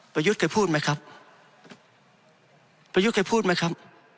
เคยพูดไหมครับประยุทธ์เคยพูดไหมครับ